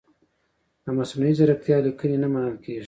د مصنوعي ځیرکتیا لیکنې نه منل کیږي.